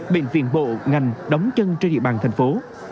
bệnh viện bộ ngành đóng chân trên địa bàn thành phố